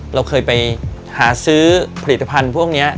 เราเคยไปหาซื้อผลิตภัณฑ์พวกนี้